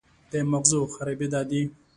د مغزو خرابېده دي